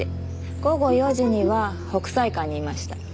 午後４時には北斎館にいました。